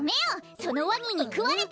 そのワニにくわれて！